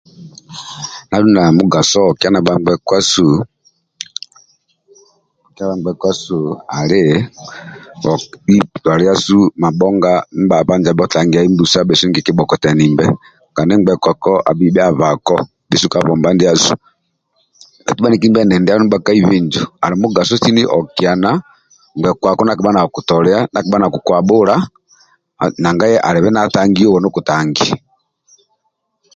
Ali na mugaso okiana bhangbekuasu ngbekuadu ali toliasu mabhonga ndia bhayeketa tangiai mbusa bhesu ndie bhikibhokotianimbe kandi ngebekuako ali bhia abako ka bomba ndiasu bhaitu bhaniki ndibhasebhalio bhakaibi injo ali mugaso sini oliana ndia akibha nakukutolia nakukuhabhula naga iye alibe ndia atangio uwe ndio kotangi